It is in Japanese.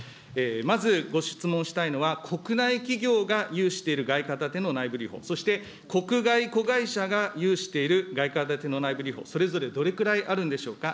まずご質問したいのは、国内企業が有している外貨建ての内部留保、そして国外子会社が有している外貨建ての内部留保、それぞれどれくらいあるんでしょうか。